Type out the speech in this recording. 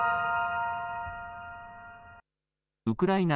ウクライナ